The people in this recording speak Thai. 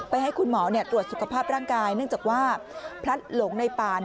ให้คุณหมอตรวจสุขภาพร่างกายเนื่องจากว่าพลัดหลงในป่า